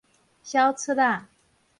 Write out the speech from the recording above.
痟齣仔